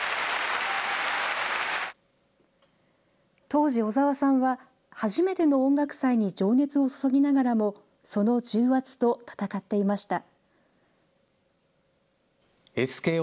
当時、小澤さんは初めての音楽祭に情熱を注ぎながらも、その重圧と戦っていました。